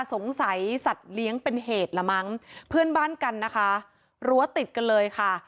สัตว์เลี้ยงเป็นเหตุละมั้งเพื่อนบ้านกันนะคะรั้วติดกันเลยค่ะ